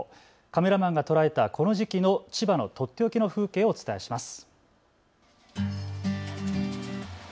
カメラマンが捉えたこの時期の千葉のとっておきの風景をお伝えします。